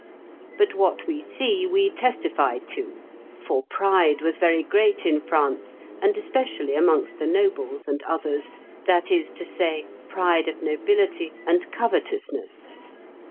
But what we see we testify to; for pride was very great in France, and especially amongst the nobles and others, that is to say, pride of nobility, and covetousness.